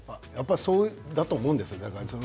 そうだと思うんですよ。